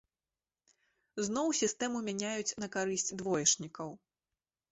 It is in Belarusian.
Зноў сістэму мяняюць на карысць двоечнікаў.